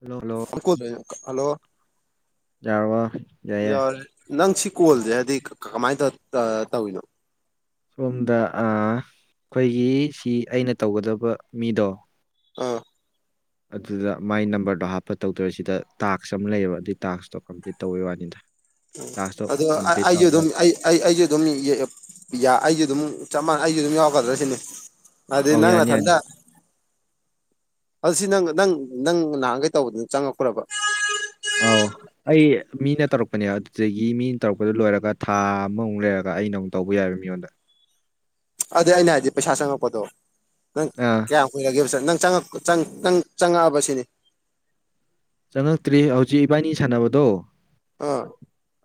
Hello hello [unintelligible] hello ꯌꯥꯔꯔꯕ ꯌꯥꯏꯌꯦ ꯌꯥꯔꯦ ꯅꯪ ꯁꯤ ꯀꯣꯜꯁꯦ ꯍꯥꯏꯗꯤ ꯀꯃꯥꯏꯅ ꯇꯧ ꯇꯧꯔꯤꯅꯣ ꯁꯣꯝꯗ ꯑꯈꯣꯏꯒꯤ ꯁꯤ ꯑꯩꯅ ꯇꯧꯒꯗꯕ ꯃꯤꯗꯣ ꯑꯥ ꯑꯗꯨꯗ ꯃꯥꯏ ꯅꯝꯕꯔꯗꯣ ꯍꯥꯞꯄ ꯇꯧꯗꯣꯏꯔꯤ ꯁꯤꯗ ꯇꯥꯛꯁ ꯑꯃ ꯂꯩꯌꯦꯕ ꯑꯗꯨꯏ ꯇꯥꯛꯁꯇꯣ ꯀꯝꯄ꯭ꯂꯤꯠ ꯇꯧꯕꯩ ꯋꯥꯅꯤꯗ ꯎ ꯇꯥꯛꯁꯇꯣ ꯑꯗꯣ ꯀꯝꯄ꯭ꯂꯤꯠ ꯑꯩꯁꯨ ꯇꯧꯔꯒ ꯑꯗꯨꯝ ꯑꯩ ꯑꯩ ꯑꯩꯁꯦ ꯑꯗꯨꯝ ꯌꯥ ꯑꯩꯁꯨ ꯑꯗꯨꯝ ꯆꯞ ꯃꯥꯟꯅꯩ ꯑꯩꯁꯨ ꯑꯗꯨꯝ ꯌꯥꯎꯔꯛꯗ꯭ꯔ ꯁꯤꯅꯦ ꯍꯥꯏꯗꯤ ꯑꯧ ꯅꯪꯅ ꯌꯥꯅꯤ ꯌꯥꯅꯤ ꯅꯊꯟꯇ ꯑꯗꯨ ꯁꯤ ꯅꯪ ꯅꯪ ꯅꯪ ꯅꯍꯥꯟꯒꯩ ꯇꯧꯕꯗꯨ ꯆꯪꯉꯛꯄ꯭ꯔꯥꯕ ꯑꯥꯎ ꯑꯩ ꯃꯤꯅ ꯇꯧꯔꯛꯄꯅꯦ ꯑꯗꯨꯗꯒꯤ ꯃꯤꯅ ꯇꯧꯔꯛꯄꯗꯨ ꯂꯣꯏꯔꯒ ꯊꯥ ꯑꯃꯃꯨꯛ ꯂꯩꯔꯒ ꯑꯩꯅ ꯑꯃꯨꯛ ꯇꯧꯕ ꯌꯥꯏꯕ ꯃꯤꯉꯣꯟꯗ ꯑꯗꯨꯗꯩ ꯑꯩꯅ ꯍꯥꯏꯗꯤ ꯄꯩꯁꯥ ꯆꯪꯉꯛꯄꯗꯣ ꯅꯪ ꯑꯥ ꯀꯌꯥꯝ ꯀꯨꯏꯔꯒꯦꯕ ꯅꯪ ꯆꯪꯉꯛ ꯆꯪ ꯆꯪ ꯆꯪꯉꯛꯑꯕ ꯁꯤꯅꯤ ꯆꯪꯉꯛꯇ꯭ꯔꯤ ꯍꯧꯖꯤꯛ ꯏꯕꯥꯅꯤ ꯁꯥꯟꯅꯕꯗꯣ ꯑꯥ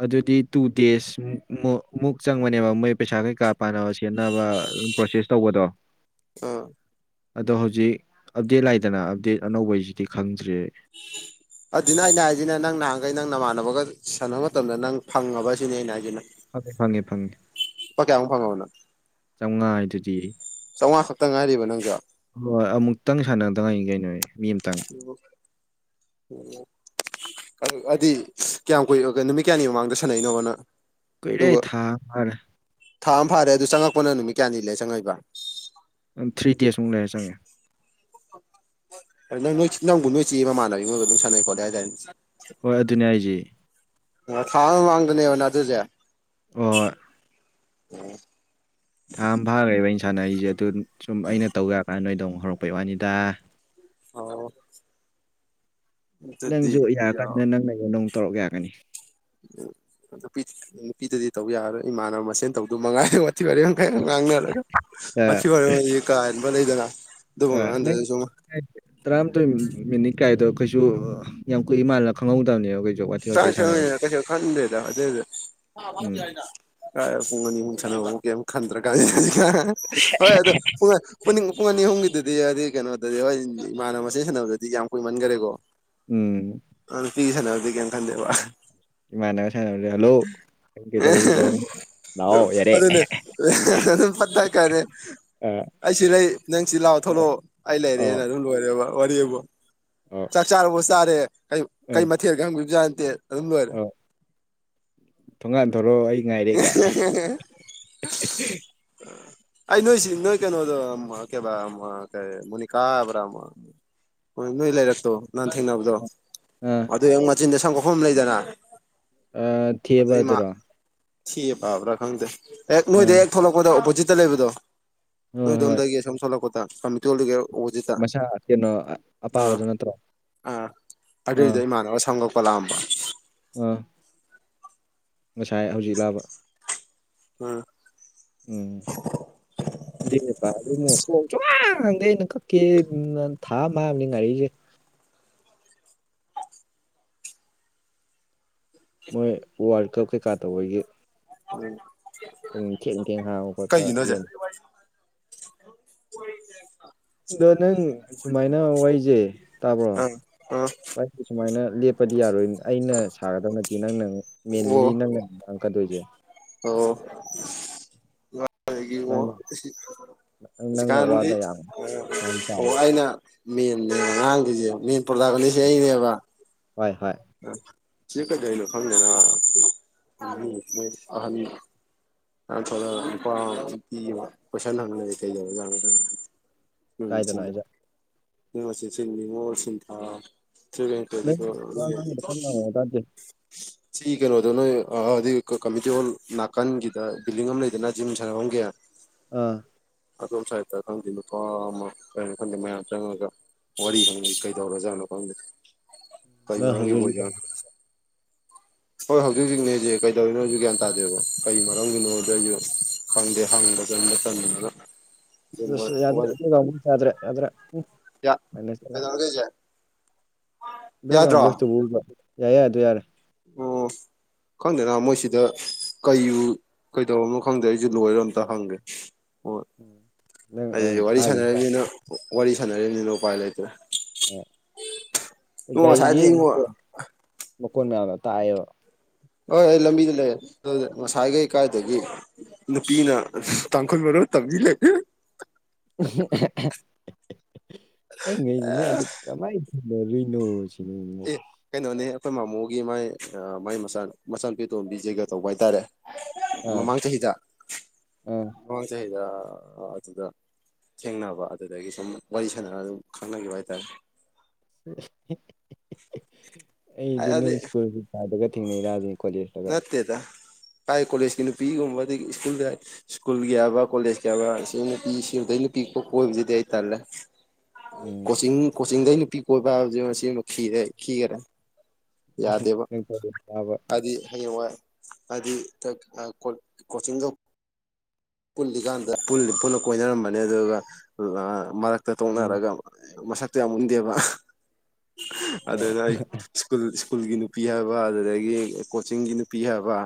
ꯑꯗꯨꯗꯤ ꯇꯨ ꯗꯦꯖ ꯃꯨꯛ ꯃꯨꯛ ꯃꯨꯛ ꯆꯪꯕꯅꯦꯕ ꯃꯣꯏ ꯄꯩꯁꯥ ꯀꯩꯀꯥ ꯄꯥꯅꯕ ꯁꯦꯠꯅꯕ ꯄ꯭ꯔꯣꯁꯦꯁ ꯇꯧꯕꯗꯣ ꯑ ꯑꯗꯣ ꯍꯧꯖꯤꯛ ꯑꯞꯗꯦꯠ ꯂꯩꯥꯛꯏꯗꯅ ꯑꯞꯗꯦꯠ ꯑꯅꯧꯕꯩꯁꯤꯗꯤ ꯈꯪꯗ꯭ꯔꯤ ꯑꯗꯨꯅ ꯑꯩꯅ ꯍꯥꯏꯖꯤꯅ ꯅꯪ ꯅꯍꯥꯟꯈꯩ ꯅꯪ ꯅꯃꯥꯟꯅꯕꯒ ꯁꯥꯟꯅꯕ ꯃꯇꯝꯗ ꯅꯪ ꯐꯪꯉꯕ ꯁꯤꯅꯤ ꯑꯩꯅ ꯍꯥꯏꯁꯤꯅ ꯐꯪꯉꯦ ꯐꯪꯉꯦ ꯐꯪꯉꯦ ꯂꯨꯄꯥ ꯀꯌꯥꯃꯨꯛ ꯐꯪꯉꯕ ꯅꯪ ꯆꯧꯉꯥ ꯍꯥꯏꯗꯨꯗꯤ ꯆꯥꯝꯃꯉꯥ ꯈꯛꯇ ꯉꯥꯏꯔꯤꯕ ꯅꯪꯁꯨ ꯍꯣꯏ ꯑꯃꯨꯛꯇꯪ ꯁꯥꯟꯅꯗꯉꯥꯏꯅꯤ ꯀꯩꯅꯣ ꯑꯩ ꯃꯤ ꯑꯃꯇꯪ ꯑꯣ ꯑꯣ ꯑꯗꯨ ꯑꯗꯨꯗꯤ ꯀꯌꯥꯝ ꯀꯨꯏꯔꯒꯦ ꯅꯨꯃꯤꯠ ꯀꯌꯥꯅꯤ ꯃꯃꯥꯡꯗ ꯁꯥꯟꯅꯩꯅꯣꯕ ꯅꯪ ꯀꯩꯏꯔꯦ ꯑꯗꯨꯒ ꯊꯥ ꯑꯃ ꯐꯥꯔꯦ ꯊꯥ ꯑꯃ ꯐꯥꯔꯦ ꯑꯗꯨ ꯆꯪꯉꯛꯄꯅ ꯅꯨꯃꯤꯠ ꯀꯌꯥꯅꯤ ꯂꯩꯔ ꯆꯪꯉꯛꯏꯕ ꯊ꯭ꯔꯤ ꯗꯦꯖꯃꯨꯛ ꯂꯩꯔ ꯆꯪꯉꯛꯑꯦ ꯑꯗ ꯅꯪ ꯅꯣꯏ ꯅꯪꯕꯨ ꯅꯣꯏ ꯆꯦꯒꯤ ꯃꯃꯥꯟꯅꯕꯕꯤ ꯑꯃꯒꯥ ꯑꯗꯨꯝ ꯁꯥꯟꯅꯩ ꯈꯣꯠꯂꯦ ꯍꯥꯏꯗꯥꯏꯅꯦ ꯍꯣꯏ ꯑꯗꯨꯅꯦ ꯍꯥꯏꯖꯦ ꯑꯣ ꯊꯥ ꯑꯃꯥꯒꯤ ꯃꯃꯥꯡꯗꯅꯦꯕ ꯅꯪ ꯑꯗꯨꯏꯖꯦ ꯑꯣ ꯊꯥ ꯑꯃ ꯐꯥꯈ꯭ꯔꯦꯕ ꯑꯩꯅ ꯁꯥꯟꯅꯔꯤꯁꯦ ꯑꯗꯨ ꯁꯨꯝ ꯑꯩꯅ ꯇꯧ ꯌꯥꯔꯀꯥꯟꯗ ꯅꯣꯏꯗ ꯑꯃꯨꯛ ꯍꯧꯔꯛꯄꯩ ꯋꯥꯅꯤꯗ ꯑꯣ ꯅꯪꯁꯨ ꯑꯗꯨꯗꯤ ꯌꯥ ꯌꯥꯔꯀꯥꯟꯗ ꯅꯪ ꯑꯩꯉꯣꯟꯗ ꯑꯃꯨꯛ ꯇꯧꯔꯛ ꯌꯥꯒꯅꯤ ꯎ ꯅꯨꯄꯤ ꯅꯨꯄꯤꯗꯨꯗꯤ ꯇꯧ ꯌꯥꯔꯣꯏ ꯏꯃꯥꯅꯕ ꯃꯁꯦꯟ ꯇꯧꯗꯧ ꯃꯉꯥꯏꯔꯦ ꯋꯥꯊꯤ ꯕꯥꯔꯦꯝ ꯍ ꯉꯥꯡꯅꯔꯒ ꯋꯥꯊꯤ ꯋꯥꯔꯦꯝ ꯀꯥ ꯍꯦꯟꯕ ꯂꯩꯗꯅ ꯑꯗꯨꯝꯕ ꯑ ꯅꯪ ꯉꯥꯡꯍꯟꯗꯗꯅ ꯁꯨꯝ ꯇꯔꯥꯃꯥꯊꯣꯏ ꯃꯤꯅꯤꯠ ꯀꯥꯏꯗꯣ ꯀꯩꯁꯨ ꯌꯥꯝ ꯀꯨꯏꯕ ꯃꯥꯥꯟꯂꯅ ꯈꯪꯍꯧꯗꯕꯅꯦꯕ ꯀꯩ ꯇꯥꯡꯁ ꯀꯩꯁꯨ ꯈꯟꯗꯦꯗ ꯑꯗꯨꯏꯗꯤ ꯄꯋꯥ ꯐꯥꯅꯕ ꯎꯝ ꯄꯤꯔꯛꯑꯒꯦ ꯅ ꯀꯥꯏ ꯄꯨꯡ ꯑꯅꯤꯃꯨꯛ ꯁꯥꯟꯅꯕꯕꯧ ꯀꯩꯝ ꯈꯟꯗ꯭ꯔꯥ ꯀꯥꯟꯖꯤꯗ ꯍꯣꯏ ꯑꯗꯨꯝ ꯄꯨꯡ ꯄꯨꯅꯤꯡ ꯄꯨꯡ ꯑꯅꯤ ꯑꯍꯨꯝꯒꯤꯗꯨꯗꯤ ꯍꯥꯏꯗꯤ ꯀꯩꯅꯣꯗꯗꯤ ꯍꯣꯏ ꯏꯃꯥꯟꯅꯕ ꯃꯁꯦꯟ ꯁꯥꯟꯅꯕꯗꯗꯤ ꯌꯥꯝ ꯀꯨꯏꯃꯟꯒꯔꯦꯀꯣ ꯎꯝ ꯑ ꯅꯨꯄꯤꯒ ꯁꯥꯟꯅꯕꯗꯤ ꯀꯩꯃ ꯈꯟꯗꯦꯕ ꯏꯃꯥꯟꯅꯕ ꯁꯥꯟꯅꯕꯖꯦ ꯍꯜꯂꯣ ꯅꯪ ꯀꯩꯗꯧꯔꯤ ꯂꯣꯏꯔꯅꯤ ꯑꯗꯨꯅꯦ ꯐꯠ ꯀꯛꯈꯔꯅꯤ ꯑ ꯑꯩ ꯁꯤ ꯂꯩ ꯅꯪ ꯁꯤ ꯂꯥꯎ ꯊꯣꯛꯂꯛꯑꯣ ꯑꯩ ꯑꯧ ꯂꯩꯔꯦꯅ ꯑꯗꯨꯝ ꯂꯣꯏꯔꯦꯕ ꯋꯥꯔꯤꯕꯨ ꯑ ꯆꯥꯛ ꯆꯥꯔꯕꯨ ꯆꯥꯔꯦ ꯀꯣꯌꯨ ꯀꯩ ꯃꯊꯦꯜ ꯈꯪꯕꯤꯕꯖꯥꯅꯠꯇꯦ ꯑꯗꯨꯝ ꯂꯣꯏꯔ ꯊꯣꯡꯉꯥꯟ ꯊꯣꯔꯣꯑꯣ ꯑꯩ ꯉꯥꯏꯔꯦꯒꯥꯏ [inaudible] ꯑꯩ ꯅꯣꯏ ꯁꯤ ꯅꯣꯏ ꯀꯩꯅꯣꯗꯣ ꯎꯝ ꯑ ꯀꯦꯕ ꯎꯝ ꯑ ꯀꯩ ꯃꯨꯅꯤꯀꯥ ꯍꯥꯕ꯭ꯔꯃ ꯍꯣꯏ ꯅꯣꯏ ꯂꯩꯔꯛꯇꯣ ꯅꯍꯥꯟ ꯊꯦꯡꯅꯕꯗꯣ ꯑ ꯑꯗꯨꯏ ꯍꯦꯛ ꯃꯆꯤꯟꯗ ꯁꯪꯝꯀꯛꯐꯝ ꯂꯩꯗꯅ ꯑ ꯊꯦꯕꯗꯨꯔꯣ ꯁꯤ ꯄꯥꯕ꯭ꯔꯥ ꯈꯪꯗꯦ ꯍꯦꯛ ꯑ ꯅꯣꯏꯗ ꯍꯦꯛ ꯊꯣꯛꯂꯛꯄꯗꯣ ꯑꯣꯄꯣꯖꯤꯠꯇ ꯂꯩꯕꯗꯣ ꯍꯣꯏ ꯍꯣꯏ ꯅꯣꯏꯗꯣꯝꯗꯗꯒꯤ ꯑꯁꯣꯝ ꯊꯣꯂꯛꯀꯣꯇ ꯐꯝ [unintelligible] ꯎꯖꯤꯠꯇ ꯃꯁꯥ ꯀꯩꯅꯣ ꯑ ꯑꯄꯥꯕꯗꯣ ꯅꯠꯇ꯭ꯔꯣ ꯑ ꯑꯥ ꯑꯗꯨꯏꯗ ꯏꯃꯥꯟꯅꯕ ꯁꯝ ꯀꯠꯄ ꯂꯥꯛꯑꯝꯕ ꯑꯥ ꯉꯁꯥꯏ ꯍꯧꯖꯤꯛ ꯂꯥꯕ ꯎꯝ ꯎꯝ ꯑꯗꯨꯏ ꯊꯣꯡꯁꯨꯛꯍꯥꯡ ꯍꯥꯡꯗꯦ ꯑꯩꯅ ꯀꯛꯀꯦ ꯅ ꯊꯥ ꯑꯝ ꯃꯅꯤ ꯉꯥꯔꯤꯁꯦ ꯃꯣꯏ ꯋꯥꯔꯜ ꯀ꯭ꯂꯞ ꯀꯩꯀꯥ ꯇꯧꯕꯒꯤ ꯄꯨꯡ ꯊꯦꯡ ꯊꯦꯡ ꯍꯥꯡꯕ ꯈꯣꯠꯄ ꯀꯩꯒꯤꯅꯣ ꯍꯥꯏꯖꯦ ꯌꯦꯡ [unintelligible] ꯗꯣ ꯅꯪ ꯁꯨꯃꯥꯏꯅ ꯋꯥꯏꯁꯦ ꯇꯥꯕ꯭ꯔꯣ ꯑꯥ ꯑꯥ [unintelligible] ꯁꯨꯃꯥꯏꯅ ꯂꯦꯞꯄꯗꯤ ꯌꯥꯔꯣꯏ ꯑꯩꯅ ꯁꯥꯒꯗꯕ ꯅꯠꯇꯦ ꯅꯪꯅ ꯑꯣ ꯃꯦꯟꯂꯤ ꯅꯪꯅ ꯉꯥꯡꯉꯛꯀꯥꯗꯣꯏꯖꯦ ꯑꯣ ꯑꯩꯒꯤ ꯑꯣ ꯅꯪꯅ ꯅꯪꯅ ꯍꯧꯖꯤꯛꯀꯥꯟꯗꯤ ꯋꯥꯗꯣ ꯌꯥꯝ ꯑꯥ ꯄꯩꯁꯥ ꯌꯥꯝ ꯆꯥꯎꯋꯦ ꯑꯩꯋꯥꯏꯅ ꯃꯦꯟꯅꯦ ꯉꯥꯡꯗꯣꯏꯁꯦ ꯃꯦꯟ ꯄꯣꯔꯒꯝ ꯑꯅꯤꯁꯦ ꯑꯩꯔꯦꯕ ꯍꯣꯏ ꯍꯣꯏ ꯁꯤ ꯀꯩꯗꯩꯅꯣ ꯈꯪꯗꯦꯅ [unintelligible] ꯃꯌꯝ ꯊꯣꯂꯒ ꯅꯨꯄꯥ ꯅꯨꯄꯤ ꯑꯃ ꯀꯣꯏꯁꯟ ꯍꯪꯂꯩꯔꯦ ꯀꯩꯗꯧꯔꯤꯖꯅꯣ ꯈꯪꯗꯦ ꯎꯝ ꯀꯥꯏꯗꯅꯣ ꯃꯆꯤꯟꯗ ꯍꯥꯏꯁꯦ [unintelligible] ꯅꯤꯡꯉꯣꯜ ꯁꯤꯟꯊ ꯅꯪ ꯋꯥ ꯉꯥꯡꯕꯗ ꯀꯟꯅ [unintelligible] ꯉꯥꯡꯉꯛꯑꯣ ꯇꯥꯗꯦ ꯁꯤ ꯀꯅꯣꯗꯣ ꯅꯣꯏ ꯑ ꯗꯨꯏ ꯀ ꯀꯝꯃꯤꯍꯣꯜ ꯅꯥꯀꯥꯟꯒꯤ ꯗ ꯕꯤꯜꯗꯤꯡ ꯑꯃ ꯂꯩꯗꯅ ꯖꯤꯝ ꯁꯥꯟꯅꯕꯝꯒꯤ ꯑꯥ ꯑꯗꯣꯝ ꯁꯥꯏꯇ ꯈꯪꯗꯦ ꯅꯨꯨꯄꯥ ꯑꯃ ꯀꯩꯅꯣ ꯈꯪꯗꯦ ꯃꯌꯥꯝ ꯆꯪꯉꯒ ꯋꯥꯔꯤ ꯍꯪꯂꯤ ꯀꯩꯗꯧꯔꯣꯖꯥꯠꯅꯣ ꯈꯪꯗ ꯎꯝ ꯀꯏ ꯃꯔꯝꯒꯤ ꯑꯣꯏꯖꯥꯡꯅꯣ ꯍꯣꯏ ꯍꯧꯖꯤꯛ ꯍꯧꯖꯤꯛꯅꯦꯖꯦ ꯀꯩꯗꯧꯔꯤꯅꯣꯖꯨ ꯒ꯭ꯌꯥꯟ ꯇꯥꯗꯦꯕ ꯀꯩ ꯃꯔꯝꯒꯤꯅꯣꯖꯨ ꯑꯩꯖꯨ ꯈꯪꯗꯦ ꯍꯥꯡꯕ ꯆꯡꯕ ꯇꯟꯗꯅ ꯑꯗꯨꯝ ꯃꯣꯏ ꯑꯁ ꯌꯥꯗ꯭ꯔꯦ [unintelligible] ꯌꯥꯗ꯭ꯔꯦ ꯌꯥꯗ꯭ꯔꯦ ꯎ ꯌꯥ ꯀꯩꯗꯧꯔꯒꯦ ꯍꯩꯖꯦ ꯕꯦꯛꯒ꯭ꯔꯥꯟ ꯕꯣꯏꯇꯨꯕꯨꯕ ꯌꯥꯏ ꯌꯥꯗꯣ ꯌꯥꯔꯦ ꯎꯝ ꯈꯪꯗꯦꯅ ꯃꯣꯏꯁꯤꯗ ꯀꯩꯌꯨ ꯀꯩꯗꯧꯔꯝꯅꯣ ꯈꯪꯗꯦ ꯑꯩꯁꯨ ꯂꯣꯏꯔ ꯑꯝꯇ ꯍꯪꯒꯦ ꯍꯣꯏ ꯎꯝ ꯅꯪ ꯑꯃꯨꯛ ꯑꯩ ꯋꯥꯔꯤ ꯐꯥꯈꯤꯅꯤ ꯇꯥꯎ. ꯁꯥꯟꯅꯔꯤꯕꯅꯤꯅ ꯋꯥꯔꯤ ꯁꯥꯟꯅꯔꯤꯕꯅꯤꯅ ꯎꯄꯥꯏ ꯂꯩꯇ꯭ꯔꯦ ꯎꯝ ꯏꯉꯣ ꯎꯗꯩꯒꯤ ꯉꯁꯥꯏꯗꯒꯤ ꯏꯉꯣ ꯃꯀꯣꯟ ꯃꯀꯣꯟ ꯃꯌꯥꯝꯗꯣ ꯇꯥꯏꯌꯦꯕ ꯍꯣꯏ ꯑꯩ ꯂꯝꯕꯤꯗ ꯂꯩꯔ ꯑꯗꯨ ꯉꯁꯥꯏꯈꯩ ꯀꯥꯏꯗꯒꯤ ꯅꯨꯄꯤꯅ ꯇꯥꯡꯈꯨꯜ ꯃꯔꯣꯜ ꯇꯝꯕꯤ ꯂꯩꯔꯦ ꯑꯩ ꯉꯛꯢꯁꯦ ꯅꯪ ꯑꯗꯨ ꯀꯃꯥꯏꯅ ꯊꯦꯡꯅꯔꯨꯏꯅꯣ ꯁꯤ ꯑꯦ ꯀꯩꯅꯣꯅꯦ ꯑꯩꯈꯣꯏ ꯃꯃꯣꯒꯤ ꯃꯥꯏ ꯃꯥꯏ ꯃꯆꯥ ꯃꯆꯥꯅꯨꯄꯤ ꯇꯣꯝꯕꯤ ꯖꯩꯒ ꯇꯧꯕ ꯍꯥꯏꯇꯥꯔꯦ ꯑꯥ ꯃꯃꯥꯡ ꯆꯍꯤꯗ ꯑꯥ ꯃꯃꯥꯡ ꯆꯍꯤꯗ ꯑꯥ ꯑꯗꯨꯗ ꯊꯦꯡꯅꯕ ꯑꯗꯨꯗꯒꯤ ꯁꯨꯝ ꯋꯥꯔꯤ ꯁꯥꯟꯅꯔ ꯑꯗꯨꯝ ꯈꯪꯅꯈꯤꯕ ꯍꯥꯏꯇꯥꯔꯦ ꯑꯩꯗꯤ ꯑꯗꯤ ꯅꯣꯏ ꯁ꯭ꯀꯨꯜꯁꯤ ꯐꯥꯗꯒ ꯊꯦꯡꯅꯩꯔꯥꯁꯤꯅꯤ ꯀꯣꯂꯦꯖ ꯅꯠꯇꯦꯗ ꯀꯥꯏ ꯀꯣꯂꯦꯖꯀꯤ ꯅꯨꯄꯤꯒꯨꯝꯕꯗꯤ ꯁ꯭ꯀꯨꯜꯗ ꯁ꯭ꯀꯨꯜꯒꯤ ꯌꯥꯕ ꯀꯣꯂꯦꯖꯀꯤꯌꯥꯕ ꯁꯤ ꯅꯨꯄꯤ ꯁꯤꯗꯩ ꯅꯨꯄꯤ ꯀꯣꯏꯕꯁꯤꯗꯤ ꯑꯩ ꯇꯜꯂꯦ ꯎꯝ ꯀꯣꯆꯤꯡ ꯀꯣꯆꯤꯡꯗꯩ ꯅꯨꯄꯤ ꯀꯣꯏꯕ ꯍꯥꯏꯖꯤ ꯃꯁꯤꯃ ꯈꯤꯔꯦ ꯈꯤꯒ꯭ꯔꯦ ꯌꯥꯗꯦꯕ ꯅꯪ ꯀꯣꯂꯦꯖ ꯀꯥꯕ ꯑꯗꯤ ꯍꯌꯦꯡꯋꯥ ꯍꯥꯢꯗꯤ ꯗ ꯑ ꯀꯣ ꯀꯣꯆꯤꯡꯗ ꯄꯨꯜꯂꯤꯀꯥꯟꯗ ꯄꯨꯛ ꯄꯨꯟꯅ ꯀꯣꯏꯅꯔꯝꯕꯅꯦ ꯑꯗꯨꯒ ꯃꯔꯛꯇ ꯎꯝ ꯇꯣꯛꯅꯔꯒ ꯃꯁꯛꯇꯣ ꯌꯥꯝ ꯎꯟꯗꯦꯕ ꯑ, ꯑꯗꯨꯅ ꯑꯩ ꯁ꯭ꯀꯨꯜ ꯁ꯭ꯀꯨꯜꯒꯤ ꯅꯨꯄꯤ ꯍꯥꯏꯕ ꯑꯗꯨꯗꯒꯤ ꯀꯣꯆꯤꯡꯒꯤ ꯅꯨꯄꯤ ꯍꯥꯏꯕ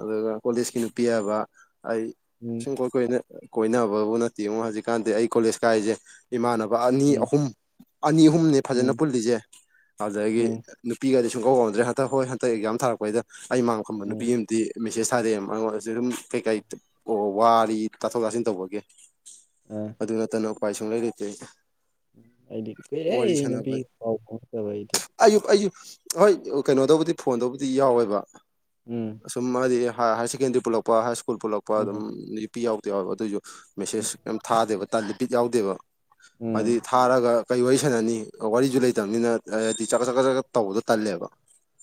ꯑꯗꯨꯒ ꯀꯣꯂꯦꯖꯀꯤ ꯅꯨꯄꯤ ꯌꯥꯕ ꯑꯩ ꯎꯝ ꯁꯨꯡ ꯀꯣꯏ ꯀꯣꯏꯅ ꯀꯣꯏꯅꯕꯕꯨ ꯅꯠꯇꯦ ꯉꯣ ꯍꯧꯖꯤꯛꯀꯥꯟꯗꯤ ꯑꯩ ꯀꯣꯂꯦꯖ ꯀꯥꯏꯔꯤꯖꯦ ꯏꯃꯥꯟꯅꯕ ꯑꯅꯤ ꯎꯝ ꯑꯍꯨꯝ ꯑꯅꯤ ꯑꯍꯨꯝꯅꯤ ꯐꯖꯅ ꯎꯝ ꯄꯨꯜꯂꯤꯖꯦ ꯑꯗꯨꯗꯒꯤ ꯎꯝ ꯅꯨꯄꯤꯒꯗꯤ ꯁꯨꯡ ꯀꯧ ꯀꯧꯅꯗ꯭ꯔꯦ ꯍꯟꯇꯛ ꯍꯣꯏ ꯍꯟꯇꯛ ꯑꯦꯛꯖꯥꯝ ꯊꯥꯔꯛꯄꯩꯗ ꯑꯩ ꯃꯥꯡ ꯐꯝꯕ ꯅꯨꯄꯤ ꯎꯝ ꯗꯤ ꯃꯦꯁꯦꯁ ꯊꯥꯔꯦ ꯑꯩꯉꯣꯟꯗꯁꯨ ꯑꯗꯨꯝ ꯀꯩꯀꯩ ꯑꯣ ꯋꯥꯔꯤ ꯇꯥꯊꯣꯛ ꯇꯥꯁꯤꯟ ꯇꯧꯕꯒꯤ ꯑꯥ ꯑꯗꯨ ꯅꯠꯇꯅ ꯎꯄꯥꯏ ꯁꯨꯡ ꯂꯩ ꯂꯩꯇꯦ ꯑꯩꯗꯤ ꯀꯨꯏꯔꯦ ꯋꯥꯔꯤ ꯑꯩ ꯁꯥꯟꯅꯕ ꯅꯨꯄꯤꯒ ꯄꯥꯎ ꯐꯥꯎꯅꯗꯕ ꯑꯩꯗꯣ ꯑꯌꯨꯛ ꯑꯌꯨꯛ ꯍꯣꯏ ꯀꯩꯅꯣꯗꯕꯨꯗꯤ ꯐꯣꯟꯗꯕꯨꯗꯤ ꯌꯥꯎꯋꯦꯕ ꯎꯝ ꯁꯨꯝ ꯍꯥꯏꯗꯤ ꯍꯥꯌꯔ ꯁꯦꯀꯦꯟꯗꯔꯤ ꯄꯨꯜꯂꯛꯄ ꯍꯥꯏ ꯁ꯭ꯀꯨꯜ ꯄꯨꯜꯂꯛꯄ ꯑꯗꯨꯝ ꯎꯝ ꯅꯨꯄꯤ ꯌꯥꯎꯗ ꯌꯥꯎꯋꯦꯕ ꯑꯗꯨꯑꯣꯏꯁꯨ ꯃꯦꯁꯦꯁ ꯀꯩꯝ ꯊꯥꯗꯦꯕ ꯇꯜꯂꯤ ꯕꯤꯠ ꯌꯥꯎꯗꯦꯕ ꯍꯥꯏꯗꯤ ꯎꯝ ꯊꯥꯔꯒ ꯀꯩ ꯋꯥꯔꯤ ꯁꯥꯟꯅꯅꯤ ꯋꯥꯔꯤꯁꯨ ꯂꯩꯇꯕꯅꯤꯅ ꯍꯥꯏꯗꯤ ꯆꯥꯛꯀꯠ ꯆꯀꯠ ꯆꯠ ꯇꯧꯕꯗꯣ ꯇꯜꯂꯦꯕ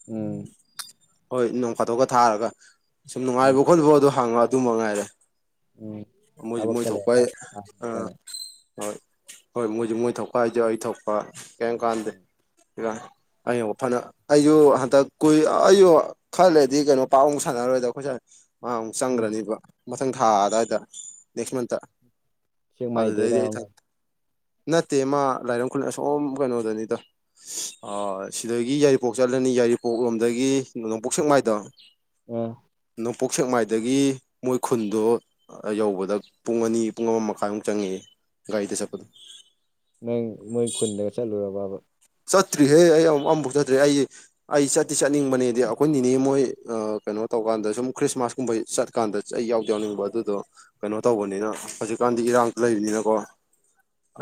ꯎꯝ ꯍꯣꯏ ꯅꯣꯡ ꯈꯥꯗꯣꯛꯀ ꯊꯥꯔꯒ ꯁꯨꯝ ꯎꯝ ꯅꯨꯡꯉꯥꯏꯕ ꯈꯣꯠꯂꯤꯕꯣ ꯑꯗꯨ ꯍꯪꯉꯒ ꯑꯗꯨ ꯃꯉꯥꯏꯔꯦ ꯎꯝ ꯃꯣꯏꯖꯨ ꯃꯣꯏ ꯊꯕꯛꯇ ꯊꯣꯛꯄꯩꯏ ꯑ ꯂꯩꯔꯀꯥꯟꯗ ꯍꯣꯏ ꯍꯣꯏ ꯃꯣꯏꯁꯨ ꯃꯣꯏ ꯊꯣꯛꯄ ꯑꯩꯖꯨ ꯑꯩ ꯊꯣꯛꯄ ꯀꯩꯢꯝ ꯀꯥꯟꯗꯦ ꯎꯝ ꯑꯩ ꯐꯅ ꯑꯩꯁꯨ ꯍꯟꯗꯛ ꯀꯨꯏ ꯑꯩꯖꯨ ꯈꯜꯂꯩꯗꯤ ꯀꯩꯅꯣ ꯄꯥꯎ ꯑꯃꯨꯛ ꯁꯥꯟꯅꯔꯣꯏꯗ ꯑꯩꯈꯣꯏ ꯁꯥꯢ ꯃꯥ ꯑꯃꯨꯛ ꯎꯝ ꯆꯪꯒ꯭ꯔꯅꯤꯕ ꯃꯊꯪ ꯊꯥ ꯑꯗꯨꯋꯥꯏꯗ ꯅꯦꯛꯁ ꯃꯟꯇ ꯁꯦꯛꯃꯥꯏꯗꯩꯔ ꯑꯗꯨꯗꯩꯗꯤ ꯑꯩ ꯑꯃ ꯅꯠꯇꯦ ꯃꯥ ꯂꯥꯏꯔꯪ ꯈꯨꯂ ꯑꯁꯣꯝ ꯀꯩꯅꯣꯗꯅꯤꯗ ꯑ ꯁꯤꯗꯒꯤ ꯌꯥꯏꯔꯤꯄꯣꯛ ꯆꯠꯂꯅꯤ ꯌꯥꯏꯔꯤꯄꯣꯛ ꯂꯣꯝꯗꯒꯤ ꯅꯣꯡꯄꯣꯛ ꯁꯦꯛꯃꯥꯏꯗꯣ ꯎꯝ ꯅꯣꯡꯄꯣꯛ ꯁꯦꯛꯃꯥꯏꯗꯒꯤ ꯃꯣꯏ ꯈꯨꯟꯗꯣ ꯌꯧꯕꯗ ꯄꯨꯡ ꯑꯅꯤ ꯄꯨꯡ ꯑꯃ ꯃꯈꯥꯏꯃꯨꯛ ꯆꯪꯉꯦꯌꯦ ꯒꯥꯔꯤꯗ ꯆꯠꯄꯗ ꯅꯪ ꯃꯣꯏ ꯈꯨꯟꯗꯒ ꯆꯠꯂꯨꯔꯕꯕ ꯆꯠꯇ꯭ꯔꯤꯍꯦ ꯑꯩ ꯑꯃꯨꯛ ꯑꯃꯐꯥꯎ ꯆꯠꯇ꯭ꯔꯤ ꯑꯩ ꯑꯩ ꯆꯠꯇꯤ ꯆꯠꯅꯤꯡꯕꯅꯦꯗꯤ ꯑꯩꯈꯣꯏ ꯅꯤꯅꯦ ꯃꯣꯏ ꯀꯩꯅꯣ ꯇꯧꯀꯥꯟꯗ ꯁꯨꯝ ꯈ꯭ꯔꯤꯁꯃꯥꯁ ꯀꯨꯝꯕ ꯆꯠ ꯀꯥꯟꯗ ꯑꯩ ꯌꯥꯎꯗꯤ ꯌꯥꯎꯅꯤꯡꯕ ꯑꯗꯨꯗꯣ ꯀꯩꯅꯣ ꯇꯧꯕꯅꯤꯅ ꯍꯧꯖꯤꯛꯀꯥꯟꯗꯤ ꯏꯔꯥꯡꯖꯨ ꯂꯩꯕꯅꯤꯅꯀꯣ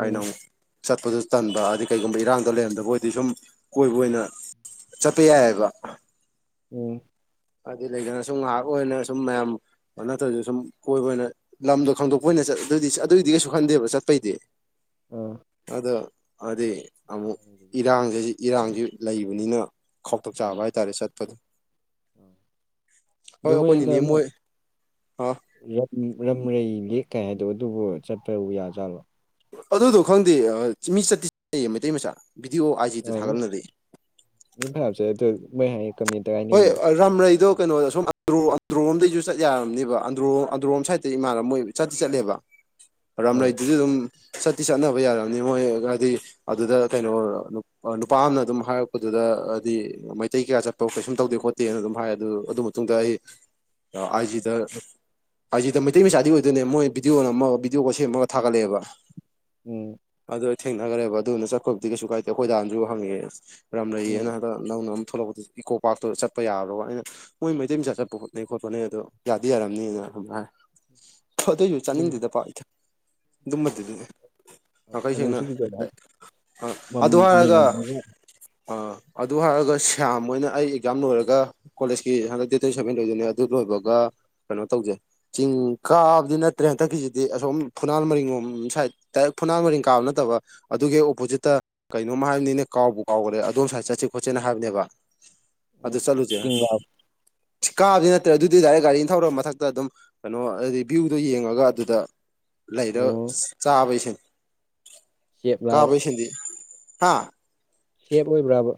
ꯑꯩꯅ ꯑꯃꯨꯛ ꯆꯠꯄꯖꯨ ꯇꯟꯕ ꯑꯗꯩ ꯀꯩꯒꯨꯝꯕ ꯏꯔꯥꯡ ꯗꯣ ꯂꯩꯔꯝꯗꯕ ꯑꯣꯏꯗꯤ ꯁꯨꯝ ꯀꯣꯏꯕ ꯑꯣꯏꯅ ꯆꯠꯄ ꯌꯥꯏꯑꯕ ꯎꯝ ꯍꯥꯏꯗꯤ ꯂꯩꯗꯅ ꯁꯨꯝ ꯉꯥꯍꯥꯛ ꯑꯣꯏꯅ ꯁꯨꯝ ꯃꯌꯥꯝ ꯑ ꯅꯠꯇꯕꯤꯗ ꯁꯨꯝ ꯀꯣꯏꯕ ꯑꯣꯏꯅ ꯂꯝꯗꯣ ꯈꯪꯗꯣꯛꯄ ꯑꯣꯏꯅ ꯆꯠ ꯑꯗꯨꯗꯤ ꯆ ꯑꯗꯨꯏꯗꯤ ꯀꯩꯁꯨ ꯈꯟꯗꯦꯕ ꯆꯠꯄꯩꯗꯤ ꯑꯥ ꯑꯗ ꯍꯥꯏꯗꯤ ꯑꯃꯨꯛ ꯏꯔꯥꯡꯖꯦ ꯍꯖꯤꯛ ꯏꯔꯥꯡꯖꯦ ꯂꯩꯕꯅꯤꯅ ꯈꯧꯇꯛ ꯆꯥꯕ ꯎꯝ ꯍꯥꯏꯇꯥꯔꯦ ꯆꯠꯄꯗꯣ ꯑꯗꯣ ꯍꯣꯏ ꯃꯣꯏ ꯍꯟꯇꯛ ꯑꯩꯈꯣꯏꯅꯤꯅꯦ ꯑꯃ ꯑ ꯔꯝ ꯎꯝ ꯔꯝꯔꯩ ꯂꯦꯛ ꯀꯥꯏ ꯍꯥꯏꯗꯨꯕꯨ ꯑꯗꯨꯕꯨ ꯆꯠꯄꯕꯨ ꯌꯥꯖꯥꯠꯂꯣ ꯑꯗꯨꯗꯣ ꯈꯪꯗꯦ ꯑꯥ ꯃꯤ ꯆꯠꯇꯤ ꯌꯦ ꯃꯩꯇꯩ ꯃꯆꯥ ꯕꯤꯗꯤꯑꯣ ꯑꯥꯏ ꯖꯤꯗ ꯑ ꯊꯥꯒꯠꯅꯔꯛꯑꯦ [unintelligible] ꯍꯣꯏ ꯍꯥꯏꯅꯩꯅꯤ ꯑꯔ ꯔꯥꯝꯔꯩꯗꯣ ꯀꯩꯅꯣꯗ ꯑꯁꯣꯝ ꯑꯟꯗ꯭ꯔꯣ ꯑꯟꯗ꯭ꯔꯣꯝꯗꯩꯖꯨ ꯆꯠ ꯌꯥꯔꯝꯅꯦꯕ ꯑꯟꯗ꯭ꯔꯣ ꯑꯟꯗ꯭ꯔꯣꯔꯣꯝ ꯁꯥꯏꯠꯇꯇꯩ ꯏꯃꯥꯟꯅꯕ ꯃꯣꯏ ꯆꯠꯇꯤ ꯆꯠꯂꯦꯕ [inaudible] ꯑꯥ ꯔꯝꯔꯩꯗꯨꯗꯤ ꯑꯗꯨꯝ ꯆꯇꯤ ꯆꯠꯅꯕ ꯌꯥꯔꯝꯅꯤ ꯃꯣꯏ ꯑꯗꯣ ꯍꯥꯏꯗꯤ ꯑꯗꯨꯗ ꯀꯩꯅꯣ ꯅꯨꯞ ꯑ ꯅꯨꯄꯥ ꯑꯃꯅ ꯑꯗꯨꯝ ꯍꯥꯏꯔꯛꯄꯗꯨꯗ ꯍꯥꯏꯗꯤ ꯃꯩꯇꯩ ꯀꯌꯥ ꯆꯠ ꯄ ꯀꯩꯁꯨꯝ ꯇꯧꯗꯦ ꯈꯣꯠꯇꯦꯅ ꯑꯗꯨꯝ ꯍꯥꯏ ꯑꯗꯨ ꯑꯗꯨ ꯃꯇꯨꯡꯗ ꯑꯩ ꯑꯥ ꯑꯥꯏ ꯖꯤꯗ ꯑꯥꯏ ꯖꯤꯗ ꯃꯩꯇꯩ ꯃꯆꯥꯗꯤ ꯑꯣꯏꯗꯣꯏꯅꯦ ꯃꯣꯏ ꯕꯤꯗꯤꯑꯣ ꯅꯝꯃꯒ ꯕꯤꯗꯤꯑꯣꯒ ꯁꯦꯝꯃꯒ ꯊꯥꯒꯠꯂꯛꯑꯦꯕ ꯎꯝ ꯑꯗꯨ ꯑꯩ ꯊꯦꯡꯅꯒ꯭ꯔꯦꯕ ꯑꯗꯨꯅ ꯆꯠꯄꯕꯨꯗꯤ ꯀꯩꯁꯨ ꯀꯥꯏꯗꯦ ꯑꯈꯣꯏꯗꯥꯅꯖꯨ ꯍꯪꯉꯛꯑꯦ ꯔꯝꯂꯩꯌꯦꯅ ꯎꯝ ꯅꯧꯅ ꯑꯃ ꯊꯣꯛꯂꯛꯄꯗꯣ ꯏꯀꯣ ꯄꯥꯛꯇꯨ ꯆꯠꯄ ꯌꯥꯕ꯭ꯔꯣꯕ ꯑꯩꯅ ꯃꯣꯏ ꯃꯩꯇꯩ ꯃꯆꯥ ꯆꯠꯄ [unintelligible] ꯈꯣꯠꯅꯩ ꯑꯗꯣ ꯌꯥꯗꯤ ꯌꯥꯔꯝꯅꯤꯅ ꯑꯗꯨꯝ ꯍꯥꯏꯔꯦ ꯑꯗꯨꯑꯣꯏꯖꯨ ꯆꯠꯅꯤꯡꯗꯦꯗ ꯄꯥꯛ ꯏꯊ ꯑꯗꯨꯝꯕꯗꯗꯤ ꯅꯥꯈꯩ ꯁꯦꯡꯅ ꯑꯃꯨꯛꯁꯨ ꯀꯤꯖꯕ ꯑꯥ ꯑꯗꯨ ꯍꯥꯏꯔꯒ ꯃꯤꯡꯗꯨꯒ ꯑꯥ ꯑꯗꯨ ꯍꯥꯏꯔꯒ ꯁ꯭ꯌꯥꯝ ꯍꯣꯏꯅ ꯑꯩ ꯑꯦꯛꯖꯥꯝ ꯂꯣꯏꯔꯒ ꯀꯣꯂꯦꯖꯀꯤ ꯍꯟꯗꯛ ꯗꯦꯠ ꯇ꯭ꯋꯦꯟꯇꯤꯁꯚꯦꯟ ꯂꯣꯏꯗꯣꯏꯅꯦ ꯑꯗꯨ ꯂꯣꯏꯕꯒ ꯀꯩꯅꯣ ꯇꯧꯖꯦ ꯆꯤꯡ ꯀꯥꯕꯗꯤ ꯅꯠꯇ꯭ꯔꯦ ꯍꯟꯗꯛꯀꯤꯖꯤꯗꯤ ꯑꯁꯣꯝ ꯐꯨꯅꯥꯜ ꯃꯔꯤꯡꯂꯣꯝ ꯁꯥꯏꯠ ꯗꯥꯏꯔꯦꯛ ꯐꯨꯅꯥꯜ ꯃꯔꯤꯡ ꯀꯥꯕ ꯅꯠꯇꯕ ꯑꯗꯨꯒꯤ ꯍꯦꯛ ꯑꯣꯄꯣꯖꯤꯠꯇ ꯀꯩꯅꯣꯝꯃ ꯍꯥꯏꯕꯅꯤꯅꯦ ꯀꯥꯎꯕꯨ ꯀꯥꯎꯒ꯭ꯔꯦ ꯑꯗꯣꯝ ꯁꯥꯏꯠ ꯆꯠꯁꯤ ꯈꯣꯠꯁꯦꯅ ꯍꯥꯏꯕꯅꯦꯕ ꯑꯗꯨ ꯆꯠꯂꯨꯖꯦ ꯆꯤꯡꯂꯥ ꯁꯤ ꯀꯥꯕꯗꯤ ꯅꯠꯇ꯭ꯔꯦ ꯑꯗꯨꯗꯤ ꯗꯥꯏꯔꯦꯛ ꯒꯥꯔꯤꯅ ꯊꯧꯔ ꯃꯊꯛꯇ ꯑꯗꯨꯝ ꯀꯩꯅꯣ ꯑꯗꯨꯗꯤ ꯚ꯭ꯌꯨꯗꯣ ꯌꯦꯡꯉꯒ ꯑꯗꯨꯗ ꯂꯩꯔ ꯎꯝ ꯆꯥꯕꯩ ꯁꯤꯟ ꯁꯦꯞ ꯂꯥꯕ ꯀꯥꯕꯩ ꯁꯤꯟꯗꯤ ꯍꯥ ꯁꯦꯞ ꯑꯣꯏꯕ꯭ꯔꯥꯕ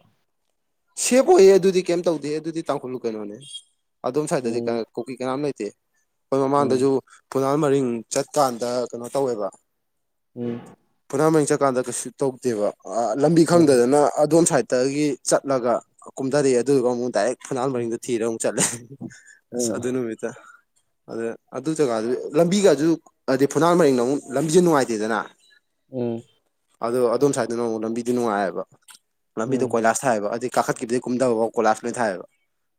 ꯁꯦꯕ ꯑꯣꯏꯍꯦ ꯑꯗꯨꯗꯤ ꯀꯩꯝ ꯇꯧꯗꯦꯍꯦ ꯑꯗꯨꯗꯤ ꯇꯥꯡꯈꯨꯂꯨ ꯀꯩꯅꯣꯅꯦ ꯑꯗꯣꯝ ꯁꯥꯏꯠꯇꯗꯤ ꯀ ꯎꯝ ꯀꯨꯀꯤ ꯀꯅꯥꯝ ꯂꯩꯇꯦ ꯑꯈꯣꯏ ꯎꯝ ꯃꯃꯥꯡꯗꯖꯨ ꯐꯨꯅꯥꯜ ꯃꯔꯤꯡ ꯆꯠꯀꯥꯟꯗ ꯀꯩꯅꯣ ꯇꯧꯋꯦꯕ ꯎꯝ ꯐꯨꯅꯥꯟꯃꯔꯤꯡ ꯆꯠꯀꯥꯟꯗ ꯀꯩꯁꯨ ꯇꯧꯗꯦꯕ ꯑꯥ ꯂꯝꯕꯤ ꯈꯪꯗꯗꯅ ꯑꯗꯣꯝ ꯁꯥꯏꯠꯇꯒꯤ ꯆꯠꯂꯒ ꯀꯨꯝꯗꯔꯛꯑꯦ ꯑꯗꯨꯗꯨꯒ ꯑꯃꯨꯛ ꯗꯥꯏꯔꯦꯛ ꯐꯨꯅꯥꯜ ꯃꯔꯤꯡꯗꯣ ꯊꯤꯔ ꯑꯃꯨꯛ ꯆꯠꯂꯦ ꯑꯁ ꯎꯝ ꯑꯗꯨ ꯅꯨꯃꯤꯠꯇꯣ ꯑꯗ ꯑꯗꯨ ꯖꯒꯥꯗꯨ ꯂꯝꯕꯤꯒꯁꯨ ꯍꯥꯏꯗꯤ ꯐꯨꯅꯥꯟ ꯃꯔꯤꯡꯅ ꯑꯃꯨꯛ ꯂꯝꯕꯤꯖꯦ ꯅꯨꯡꯉꯥꯏꯇꯦꯗꯅ ꯎꯝ ꯑꯗꯣ ꯑꯗꯣꯝ ꯁꯥꯏꯇꯅ ꯑꯃꯨꯛ ꯂꯝꯕꯤꯗꯤ ꯅꯨꯡꯉꯥꯏꯑꯕ ꯂꯝꯕꯤꯗꯣ ꯎꯝ ꯀꯣꯏꯂꯥꯁ ꯊꯥꯏꯕ ꯑꯗꯩ ꯀꯥꯈꯠꯈꯤꯕꯗꯩ ꯀꯨꯝꯗꯕꯕꯥꯎ ꯀꯣꯂꯥꯁ ꯂꯣꯏ ꯊꯥꯏꯕ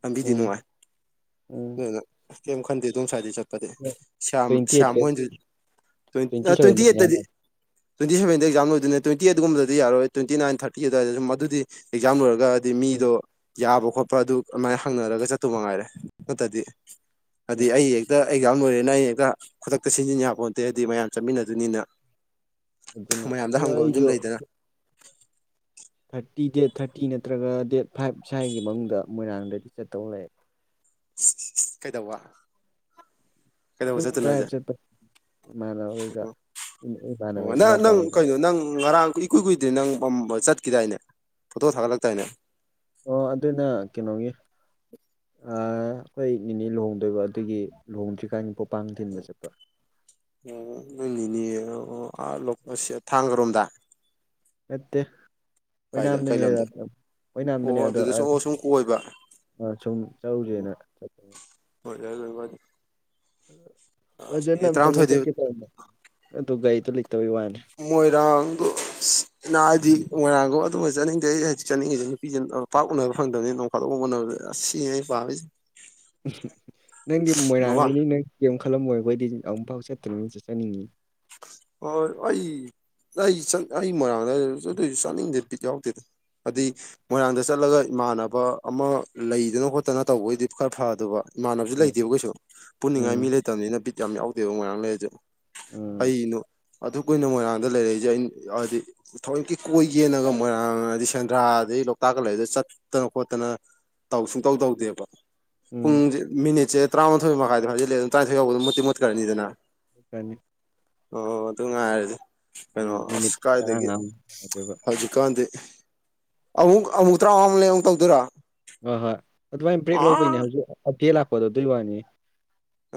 ꯂꯝꯕꯤꯗꯤ ꯎꯝ ꯅꯨꯡꯉꯥꯏ ꯎꯝ ꯑꯗꯨꯅ ꯀꯦꯝ ꯈꯟꯗꯦ ꯑꯗꯣꯝ ꯁꯥꯏꯠꯗꯤ ꯆꯠ ꯐꯇꯦ ꯁ꯭ꯌꯥꯝ ꯇ꯭ꯋꯦꯟꯇꯤ ꯁ꯭ꯌꯥꯝ ꯑꯩꯠꯇ ꯃꯣꯏꯗꯤ ꯇ꯭ꯋꯦꯟ ꯑ ꯇ꯭ꯋꯦꯟꯇꯤ ꯁꯚꯦꯟꯗ ꯇ꯭ꯋꯦꯟꯇꯤꯑꯩꯠꯇꯗꯤ ꯇ꯭ꯋꯦꯟꯇꯤꯁꯕꯦꯟꯗ ꯑꯦꯛꯗꯥꯝꯂꯣꯏꯗꯣꯏꯅꯦ ꯂꯣꯏꯟꯇꯤꯑꯦꯠ ꯀꯨꯝꯕꯗꯤ ꯌꯥꯔꯛꯑꯣꯏ ꯇ꯭ꯋꯦꯟꯇꯤꯅꯥꯏꯟ ꯊ꯭ꯔꯥꯇꯤ ꯑꯗꯨꯋꯥꯏꯗ ꯗꯨꯝ ꯃꯗꯨꯗꯤ_ _ ꯑꯦꯛꯖꯥꯝ ꯂꯣꯏꯔꯒ ꯑꯗꯤ ꯎꯝ ꯃꯤꯗꯣ ꯌꯥꯕ ꯈꯣꯠꯄ ꯑꯗꯨ ꯑꯃꯥꯏ ꯍꯪꯅꯔꯒ ꯆꯠꯇꯨ ꯃꯉꯥꯏꯔꯦ ꯅꯠꯇꯗꯤ ꯑꯗꯤ ꯎꯝ ꯑꯩ ꯍꯦꯛꯇ_ _ ꯑꯩ ꯑꯖꯥꯝ ꯂꯣꯏꯔꯦꯅ ꯑꯩ ꯍꯦꯛꯇ ꯈꯨꯗꯛꯇ ꯁꯤꯟꯖꯤꯟ ꯌꯥꯄꯣꯟꯇꯦ ꯍꯥꯏꯗꯤ ꯃꯌꯥꯝ ꯆꯠꯃꯤꯟꯅꯗꯣꯏꯅꯤꯅ꯫ ꯑꯗꯨꯅ ꯃꯌꯥꯝꯗ ꯑꯗꯣ ꯍꯪꯕꯖꯨꯝ ꯑꯩꯁꯨ ꯂꯩꯗꯅ ꯊꯔꯇꯤ ꯗꯦꯠ ꯊꯔꯇꯤ ꯅꯠꯇ꯭ꯔꯒ ꯗꯦꯠ ꯐꯥꯏꯚ ꯁ꯭ꯋꯥꯏꯒꯤ ꯃꯅꯨꯡꯗ ꯃꯣꯏꯔꯥꯡꯗꯗꯤ ꯆꯠꯇꯧ ꯂꯩ꯫ [unintelligible] ꯀꯩꯗꯧꯕ ꯀꯩꯗꯧꯕ ꯑꯗꯨꯝ ꯗ꯭ꯔꯥꯏꯕ ꯆꯠꯄ ꯏꯃꯥꯟꯅꯕꯈꯩꯒ ꯑꯣ ꯏꯃꯥꯟꯅꯕ ꯑꯣ ꯅꯪ ꯅꯪ ꯏꯅꯥꯎꯄꯥꯈꯩꯒ ꯀꯩꯅꯣ ꯅꯪ ꯉꯔꯥꯡ ꯀꯨꯏ_ _ ꯏꯀꯨꯏ ꯀꯨꯏꯗ꯭ꯔꯤ ꯅꯪ ꯕꯝꯖ ꯆꯠꯀꯤꯗꯥꯏꯅꯦ ꯐꯣꯇꯣ ꯊꯥꯒꯠꯂꯛꯇꯥꯏꯅꯦ꯫ ꯑꯣ ꯑꯗꯨꯅ ꯀꯩꯅꯣꯒꯤ꯫ ꯑꯥ ꯑꯩ ꯅꯤꯅꯤ ꯂꯨꯍꯣꯡꯗꯣꯏꯕ ꯑꯗꯨꯒꯤ ꯂꯨꯍꯣꯡꯗ꯭ꯔꯤꯀꯥꯟꯒꯤ ꯄꯣꯄꯥꯡ ꯊꯤꯟꯕ ꯆꯠꯄ꯫ ꯑꯣ ꯅꯣꯏ ꯅꯦꯅꯦ ꯑꯣ ꯑꯥ ꯂꯣꯄ ꯁꯦ ꯊꯥꯡꯒꯔꯣꯝꯗ ꯅꯠꯇꯦ ꯀꯥꯏꯗ ꯀꯩ ꯑꯣꯏꯅꯥꯝꯗꯅꯦ ꯂꯝꯗ ꯑꯣꯏꯅꯥꯝꯗꯅꯤ ꯑꯣ ꯑꯗꯣ ꯑ ꯑꯗꯨꯗꯁꯨ ꯑꯣ ꯁꯨꯝ ꯀꯣꯏꯕ ꯁꯨꯝ ꯑꯣ ꯆꯠꯂꯨꯁꯦꯅ ꯆꯠꯄꯅꯦ꯫ ꯍꯣꯏ [unintelligible] ꯐꯖꯅ ꯃꯤꯅꯤꯠ ꯑꯝꯇꯪꯒ ꯇꯔꯥꯃꯥꯊꯣꯏꯗꯤ ꯆꯠꯀꯦ ꯇꯧꯅꯦ ꯑꯗꯣ ꯒꯥꯔꯤꯗꯣ ꯂꯩꯇꯕꯩ ꯋꯥꯅꯤ ꯃꯣꯏꯔꯥꯡꯗꯣꯅ ꯍꯥꯏꯗꯤ ꯃꯣꯏꯔꯥꯡꯗꯣ ꯑꯗꯨꯃ ꯆꯠꯅꯤꯡꯗꯦ ꯑꯩ ꯍꯧꯖꯤꯛ ꯆꯠꯅꯤꯡꯉꯤꯗꯨꯅꯤ [unintelligible] ꯄꯥꯛ ꯎꯅꯕ ꯐꯪꯗꯕꯅꯤ ꯅꯣꯡ ꯐꯗꫭꯛ ꯎꯅꯕꯗꫭ ꯑꯁ ꯁꯤꯅ‌ꯦ ꯑꯩ ꯄꯥꯝꯃꯤꯁꯦ ꯅꯪꯗꯤ ꯃꯃꯥ ꯃꯣꯏꯔꯥꯡꯗꯩꯅꯤꯅꯪ ꯀꯔꯤꯝ ꯈꯜꯂꯝꯃꯣꯏ ꯑꯩꯈꯣꯏꯗꯤ ꯑꯃꯨꯛꯐꯥꯎ ꯆꯠꯇꯔꯤꯅꯤꯅ ꯆꯠꯆꯅꯤꯡꯉꯤ ꯍꯣꯏ ꯑꯩ ꯑꯩ ꯑꯩ ꯃꯣꯏꯔꯥꯡꯗ ꯑꯗꯨꯣꯏꯁꯨ ꯆꯥꯅꯤꯡꯗꯦ ꯚꯤꯠ ꯌꯥꯎꯗꯦꯗ꯫ ꯑꯗꯨꯗꯤ ꯎꯝ ꯃꯣꯏꯔꯥꯡꯗ ꯆꯠꯂꯒ ꯏꯃꯥꯟꯅꯕ ꯑꯃ ꯂꯩꯗꯅ ꯈꯣꯠꯇꯅ ꯇꯧꯕꯑꯣꯏꯗꯤ ꯈꯔ ꯐꯗꯕ ꯏꯃꯥꯟꯅꯕꯁꯨ ꯂꯩꯇꯦꯕ ꯀꯩꯁꯨ ꯄꯨꯅꯤꯡꯉꯥꯏ ꯃꯤ ꯎꯝ ꯂꯩꯇꯕꯅꯤꯅ ꯕꯤꯠ ꯌꯥꯝ ꯌꯥꯎꯗꯦꯕ ꯉꯣꯏꯔꯥꯡ ꯂꯩꯔꯁꯨ꯫ ꯎꯝ ꯀꯩꯅꯣ ꯑꯗꯨꯛ ꯀꯨꯏꯅ ꯃꯣꯏꯔꯥꯡꯗ ꯂꯩꯔꯛꯏꯁꯦ ꯑꯩꯅ ꯍꯥꯏꯗꯤ ꯊꯣꯑꫭꯏꯀꯤ ꯀꯣꯏꯒ‌ꯦꯅꯒ ꯃꯣꯏꯔꯥꯡ ꯑꯩꯗꯤ ꯁꯦꯟꯗ꯭ꯔꯥ ꯑꯗꯩ ꯂꯣꯛꯇꯥꯛꯀ ꯂꯩꯕꯗꯨ ꯆꯠꯇꯅ ꯈꯣꯠꯇꯅ ꯇꯧ ꯁꯨꯡ ꯇꯧ ꯇꯧꯗꯦꯕ꯫ ꯎꯝ ꯄꯨꯡꯁꯦ ꯃꯤꯅꯤꯠꯁꯦ ꯇꯔꯥꯃꯥꯊꯣꯏ ꯃꯈꯥꯏꯗ ꯐꯖꯤꯂ ꯑꯗꯨꯝ ꯇꯔꯥꯊꯣꯏ ꯐꯥꯎꯕꯣ ꯃꯨꯠꯇꯤ ꯃꯨꯠꯈ꯭ꯔꯅꯤꯗꯅ꯫ ꯀꯅꯤ ꯑꯣ ꯑꯗꯨ ꯉꯥꯏꯔꯗꯤ ꯎꯝ ꯀꯩꯅꯣ ꯃꯤꯅꯤꯠ ꯑꯁ ꯀꯥꯏꯗꯒꯤ ꯇꯔꯥꯃꯉꯥꯃꯨꯛ ꯉꯥꯏꯗꯣꯏꯕ ꯍꯧꯖꯤꯛꯀꯥꯟꯗꯤ ꯑꯃꯨꯛ ꯑꯃꯨꯛ ꯇꯔꯥꯃꯉꯥ ꯂꯩ ꯑꯃꯨꯛ ꯇꯧꯗꯣꯏꯔꯣ꯫ ꯍꯣꯏ ꯍꯣꯏ ꯑꯗꯨꯃꯥꯏꯅ ꯕ꯭ꯔꯦꯛ ꯑꯥ ꯂꯧꯕꯩꯅꯦ ꯍꯧꯖꯤꯛ ꯑꯀꯦ ꯂꯥꯛꯄꯗꯣ ꯑꯗꯨꯏ ꯋꯥꯅꯤ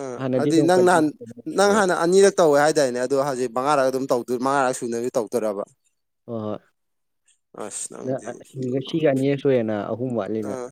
ꯑꯥ ꯍꯥꯟꯅꯗꯤ ꯑꯗꯤ ꯑꯗꯨꯝ ꯅꯪ ꯀꯟꯇꯤꯅ꯭ꯌꯨ ꯅꯍꯥꯟ ꯅꯪ ꯆꯠꯅꯕꯅꯦꯕ ꯍꯥꯟꯅ ꯑꯅꯤꯔꯛ ꯇꯧꯋꯦ ꯍꯥꯏꯗꯥꯏꯅꯦ ꯑꯗꯣ ꯍꯧꯖꯤꯛ ꯃꯉꯥꯔꯛ ꯑꯗꯨꯝ ꯊꯧꯗꯣꯢ ꯃꯉꯥꯔꯛ ꯁꯨꯅꯕꯗꯤ ꯇꯧꯗꯣꯏꯔꯕ ꯍꯣꯏ ꯍꯣꯏ ꯑꯁ ꯅꯪꯗꯤ ꯅꯪ ꯁꯤꯒ ꯁꯤꯒ ꯑꯅꯤꯔꯛ ꯁꯨꯔꯦꯅ ꯑꯍꯨꯝ ꯑ ꯋꯥꯠꯂꯤꯅ